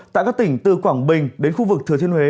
tại các tỉnh từ quảng bình đến khu vực thừa thiên huế